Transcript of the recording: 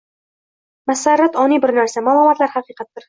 Masarrat oniy bir narsa, malomatlar haqiqatdir